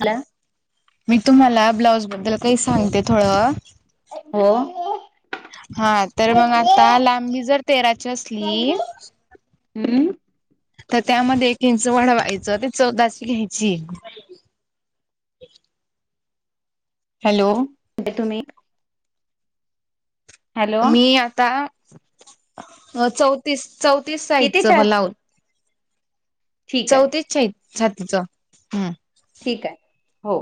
Hello मी तुम्हाला blouse बद्दल काही सांगते थोडं. हो. हा तर मग आता, लांबी जर तेराची असली हूम्म. तर त्यामध्ये एक इंच वाढ व्हायचं ते चौदाची घ्यायची. हॅलो‌. ठे तुम्ही? हॅलो मी आता चौतीस चौतीस किती साइजचं छान ब्ला ठीक आहे चौथीच छातीच. हम्. ठीक आहे. हो.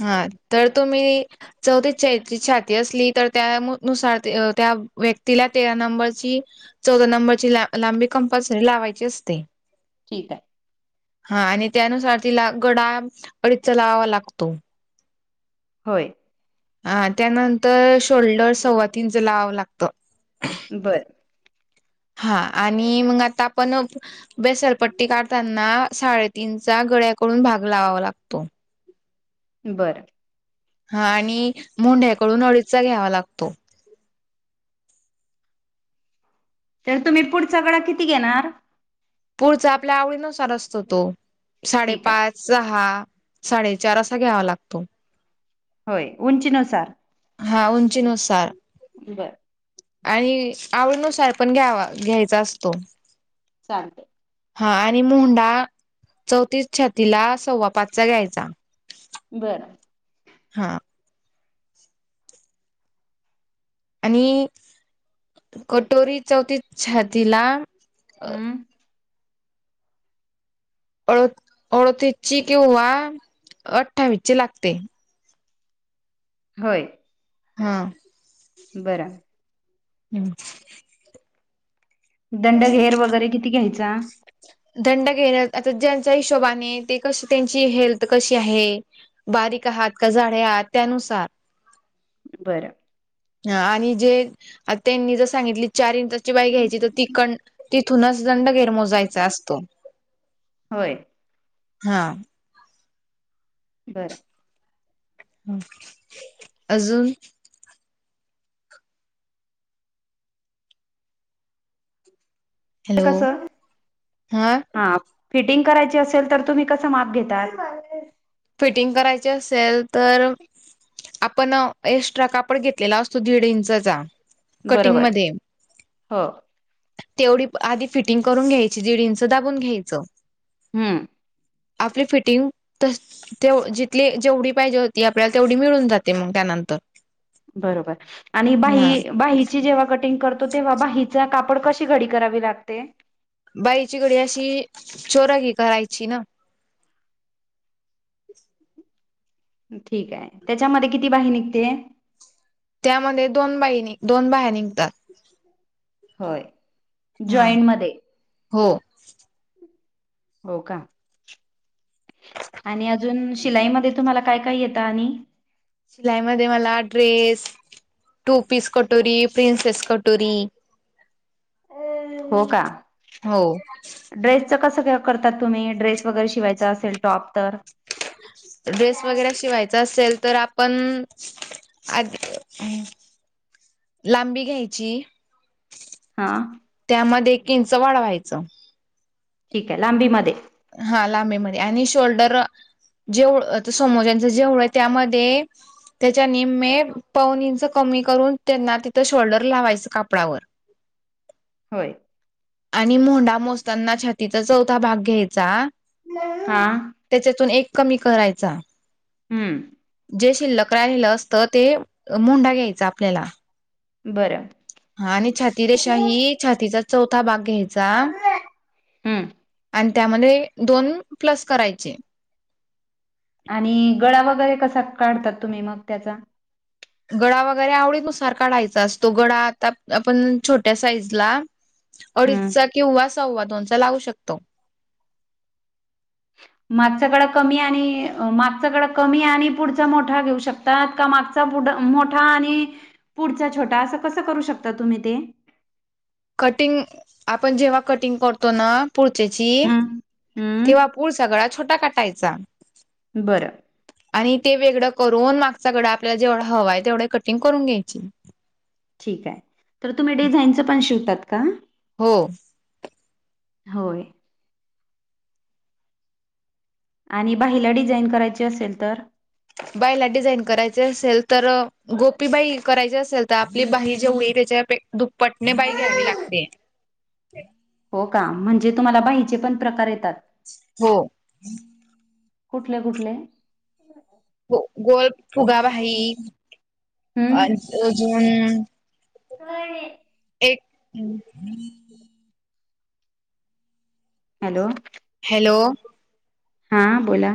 हा. तर तुम्ही चौथीस चाळीस छाती असली तर त्यानुसार त्या व्यक्तीला तेरा नंबरची चौदा नंबरची ला लांबी कंपल्सरी लावायची असते. ठीक आहे. हा. आणि त्यानुसार तिला गडा अडीचा लावावा लागतो. होय. ह त्यानंतर शोल्डर सव्वा तीनच लावावं लागत. बरं. हा आणि मग आता आपण बेसरपट्टी काढताना साडेतीनचा गळ्याकडून भाग लावावा लागतो. बरं. हा आणि मुंढ्याकडून अडीचा घ्यावा लागतो. तर तुम्ही पुढचा गळा किती घेणार? पुढचा आपल्या आवडीनुसार असतो तो. ठीक आहे साडेपाच सहा, साडेचार असा घ्यावा लागतो. होय. उंचीनुसार. हा. उंची नु सार. बरं. आणि आवडनुसार पण घ्यावा घ्यायचा असतो. चालते. हा आणि मुंडा चौतीस छातीला सव्वा पाचचा घ्यायचा. बरं. हा. आणि कटोरी चौथीस छातीला हम्म. अड अडतीस ची किंवा अठ्ठावीस ची लागते. होय. हा‌. बरं. हम्. दंडघेर वगैरे किती घ्यायचा? दंड घेर आता ज्यांच्या हिशोबाने ते कशी त्यांची हेल्थ कशी आहे‌. बारीक आहात का जाडे आहात त्यानुसार. बरं. ह आणि जे त्यांनी जर सांगितली चारं बाही घ्यायची तर ती तिथूनच दंड घेर मोजायचा असतो. होय. हा. बरं आहे हं अजूंन ते हॅलो कसं हा हां फिटिंग करांयची असेल तरं तुम्हीं असं मापं घेतांत फिटिंग करांयची असेल तरं आपणं एक्स्ट्रा कांपड घेतलेला असतो दीड इंचचा बरोबर हो तेवढी आंधी फिटिंग करूंन घ्यांयची दीड इंच दाबूंन घ्यायचं हम्मं आपली फिटिंग तसं तेवढी जिथली जेवढी पाहिजे होती आपल्यांला तेवढी मिळूंन जाते मंग त्यांनंतर बरोबर आणि बाही बाही ची जेव्हां कटिंग करतो तेंव्हा बाहीचा कांपड कशी घडी करावी लागते बाहिची घडी अशी चोरा की करांयची नां ठीक आहे त्यांच्यामध्ये किती बाही निघते त्यांमध्ये दोन बाही नि दोन बाहयां निघतांत होयं हां हो हो कां आणि अजूंन शिलाईमध्यें तुम्हांला कायं कायं येतं आणि लाईमदेवालां मलां ड्रेस टूं पीस कटोरी प्रिंसेस कटोरी हो कां हो ड्रेसंच कसं क करतांत तुम्हीं ड्रेस वगैरें शी शिवांयच असेल टॉप तरं ड्रेस वगैरें शिवांयचा असेल तरं आपणं आपणं लांबी घ्यांयची हां त्यांमध्ये एक इंच वाढवायचं ठीकं आहे लांबी मध्यें हां लांबीमध्यें आणि शोल्डरं जेंव्हा आंता समजं त्यांच जेवढं आहे त्यांमध्यें त्यांच्या निम्मे पावूंन इंच कमी करूंन त्यांना तिथं शोल्डरं लावायचं कापडांवर होयं आणि मोंढां मोजतांना छातीचा चौथा भाग घ्यांयचा हां त्यांच्यातून एक कमी करांयचा हम्मं जे शिल्लंक राहिलेलं असतं ते मुंढा घ्यांयचा आपल्यांला बरं हां आणि छाती रेशा ही छातीचा चौथा भांग घ्यायचां हम्म आणि त्यांमध्ये दोन प्लसं करांयचे आणि गळां वगैरें कसां काढतांत तुम्हीं मंग त्यांचा गळां वगैरें आवडीनुसार काढांयचा असतो गळां आंता आपणं छोट्यां साईज लां अडीचं हम्म चां किंवा सव्वा दोन चां लावूं शकतो मागचं कमी आणि मागचं गळां कमी आणि पुढचां मोठा घेऊ शकतो कां मागचां पुढं मोठा आणि पुढचां छोटां असं कसं करूं शकतां तुम्हीं ते कटिंग आपणं जेंव्हा कटिंग करतो नां पुढचेची हम्म. तेंव्हां हम्म गूळ सगळा छोटा काटायचा. बरं. आणि ते वेगळं करून, मागच्याकडं आपल्याला जेवढं हवा आहे तेवढे कटिंग करून घ्यायचे. ठीक आहे, तर तुम्ही डिझाईनचं पण शिवतात का? हो. होय. आणि बाहिला डिझाईन करायची असेल तर? बाहीला डिझाईन करायचे असेल तर, गोपी बाही करायची असेल तर आपली बाही जेवढी त्याच्यापेक्षा दुप्पटने बाही घ्यावी लागते. हो का? म्हणजे तुम्हाला बाहीचे पण प्रकार येतात? हो. कुठले-कुठले? [inaudible] ग गोल फुगाबाही, हम्म अजून? काय आहे. एक [unintelligible] हॅलो. हॅलो. हा, बोला.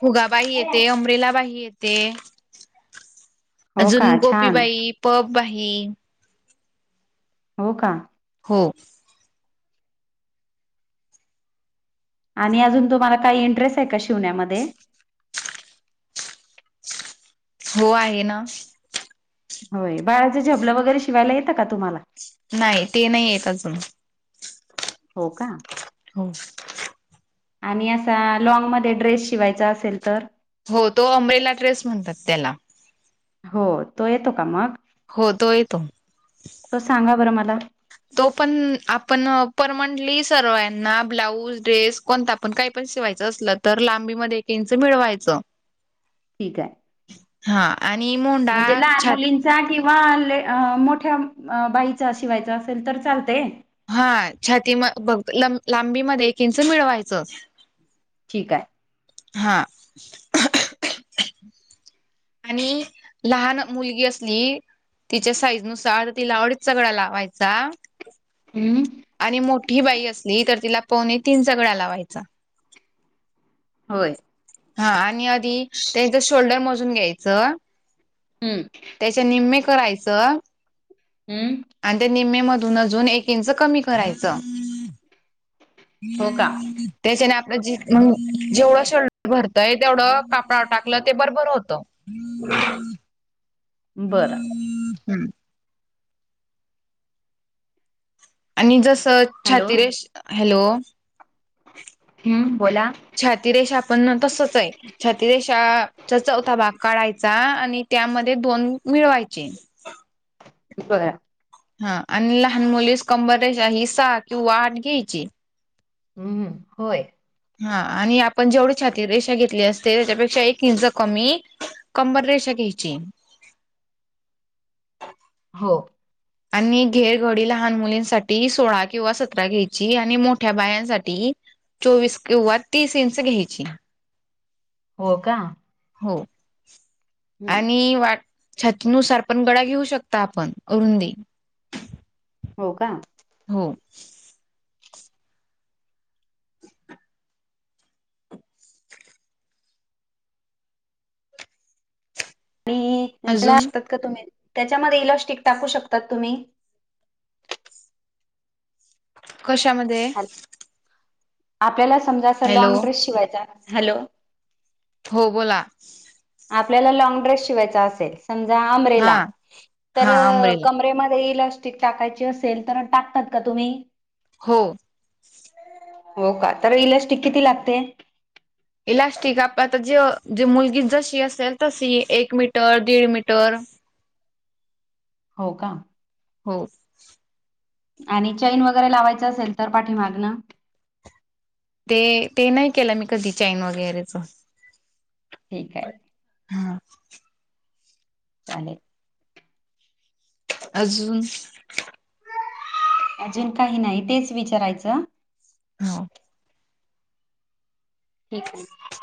फुगाबाही येते, अमरेलाबाही येते. हो का अजून छान गोपीबाही, पफबाही हो का? हो. आणि अजून तुम्हाला काही इंटरेस्ट आहे. का शिवण्यामध्ये? हो, आहे. ना होय, बाळाचं झेबलं वगैरे शिवायला येतं का तुम्हाला? नाही, ते नाही येत अजून. हो का? हो. आणि असा लँगमध्ये ड्रेस शिवायचा असेल तर? हो, तो अमरेला ड्रेस म्हणतात त्याला. हो, तो येतो का मग? हो, तो येतो. तो सांगा बरं मला. तो पण आपण परमनंटली सर्वाना ब्लाऊज ड्रेस कोणता? पण काही पण शिवायचं असलं तर लांबीमध्ये एक इंच मिळवायचं. ठीक आहे. हा. आणि म म्हणजे लहान मुली किंवा मोठ्या बाहीचा शिवायचा असेल तर चालते. हा छाती म बघ ला लांबीमध्ये एक इंच मिळवायचं. ठीक आहे. हा. [inaudible] आणि लहान मुलगी असली तिच्या साईज नुसार तिला आवडीचा गळा लावायचा. हम्म... आणि मोठी बाई असली तर, तिला पावणे तीन चा गळा लावायचा. होय.... हा आणि आधी त्यांचं शोल्डर मोजून घ्यायचं. हम्म... त्याच्या निम्मे करायचं. हम्म.... आणि ते निम्म मधून अजून, एक इंच कमी करायचं. हो.. का. त्याच्याने आपलं ज जेवढं शोल्डर भरतंय तेवढं कापडा टाकलं ते बरोबर होतं. [inaudible] ह [inaudible] बरं. हम्म हम् आणि जस हॅलो. छाति रेश, हॅलो... हम्म... बोला. छाती रेशा आपण ना तसच आहे. छाती रेषा चा चौथा भाग काढायचा आणि त्यामध्ये दोन [inaudible] मिळवायचे बघा. हा आणि लहान [inaudible] मुलीच कंबरेच्या हि सहा किंवा आठ घ्यायची [inaudible] किंवा हम्म... होय. हा, आणि आपण जेवढी छाती रेषा घेतली असते. त्याच्यापेक्षा एक इंच कमी. कंबर रेषा घ्यायची. हो. आणि घेरघडी लहान मुलींसाठी सोळा किंवा सतरा घ्यायची आणि मोठ्या बायांसाठी. चोवीस किंवा तीस इंच घ्यायची. हो, का? हो. हम्म. आणि छातीनुसार पण गळा घेऊ शकता आपण अरुंदी. हो का? हो. [inaudible] आणि अजून असतात का तुम्ही त्याच्यामध्ये इलॅस्टिक टाकू [inaudible] शकताात तुम्ही कशामध्ये? आपल्याला समजा अस हॅलो लॉंग ड्रेस शिवायचा, हॅलो. हो बोला. आपल्याला लॉन्ग ड्रेस शिवायचा असेल. समज हा [inaudible] हा अंब्रेला क [inaudible] टाकायची असेल तर टाकतात का तुम्ही. हो. हो का तर इलॅस्टिक किती लागते. इलॅस्टिक आप आता जे जी मुलगी जशी असेल तशी एक मीटर, दीड मीटर. हो का? हो. आणि चैन वगैरे लावायचं असेल तर पाठीमाग ना. ते ते नाही केलं मी कधी चाईन वगैरेच. ठीक आहे. हा. चालेल अजून. अजून काही नाही तेच विचारायचं. हा ठीक आहे.